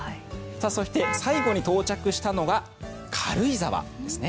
そして、最後に到着したのは軽井沢ですね。